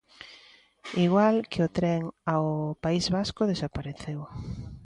Igual que o tren ao País Vasco, desapareceu.